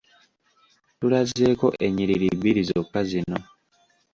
Tulazeeko ennyiriri bbiri zokka zino.